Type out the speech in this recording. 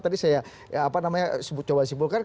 tadi saya coba simpulkan